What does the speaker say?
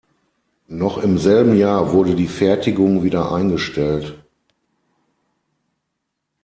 Noch im selben Jahr wurde die Fertigung wieder eingestellt.